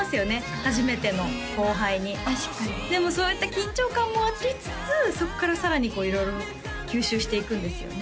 初めての後輩に確かにでもそうやって緊張感もありつつそこからさらにこう色々吸収していくんですよね